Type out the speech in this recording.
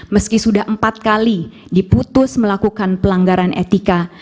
meski sudah empat kali diputus melakukan pelanggaran etika